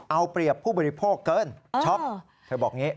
เอาเปรียบผู้บริโภคเกินช็อกเธอบอกอย่างนี้